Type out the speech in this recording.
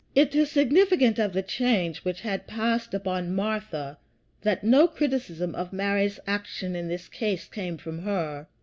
It is significant of the change which had passed upon Martha that no criticism of Mary's action in this case came from her.